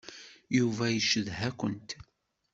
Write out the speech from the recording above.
Yuba yeccedha-kent.